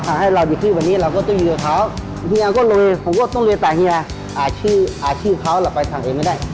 แต่ตามเฮียอาชื่อเขาแหละไปทางเองไม่ได้